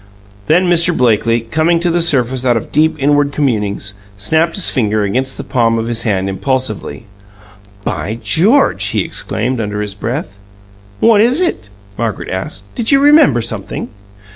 Then Mr. Blakely, coming to the surface out of deep inward communings, snapped his finger against the palm of his hand impulsively. "By George!" he exclaimed, under his breath. "What is it?" Margaret asked. "Did you remember something?"